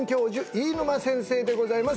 飯沼先生でございます